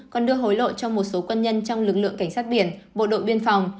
còn đưa hối lộ cho một số quân nhân trong lực lượng cảnh sát biển bộ đội biên phòng